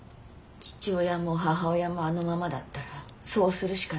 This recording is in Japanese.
父親も母親もあのままだったらそうするしかない。